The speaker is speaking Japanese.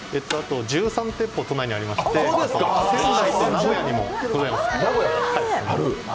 １３店舗、都内にありまして、仙台と名古屋にもございます。